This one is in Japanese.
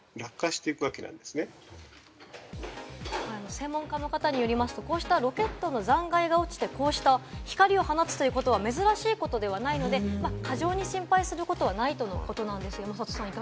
専門家の方によりますと、こうしたロケットの残骸が落ちて、こうした光を放つということは珍しいことではないので、過剰に心配することはないということです、山里さん。